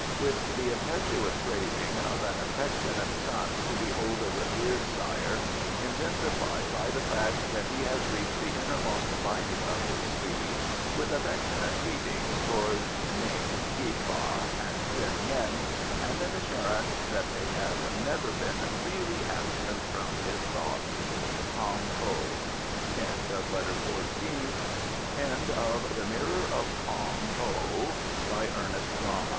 With the impetuous craving of an affectionate son to behold a revered sire, intensified by the fact that he has reached the innermost lining of his sleeve; with affectionate greetings towards Ning, Hia Fa, and T'ian Yen, and an assurance that they have never been really absent from his thoughts. KONG HO. END OF THE PROJECT GUTENBERG EBOOK THE MIRROR OF KONG HO Updated